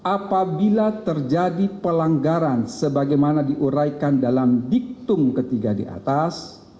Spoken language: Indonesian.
apabila terjadi pelanggaran sebagaimana diuraikan dalam diktum ketiga di atas